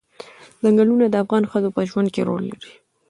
ځنګلونه د افغان ښځو په ژوند کې رول لري.